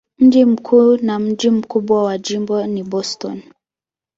Mji mkuu na mji mkubwa wa jimbo ni Boston.